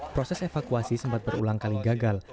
proses evakuasi sempat berulang kali gagal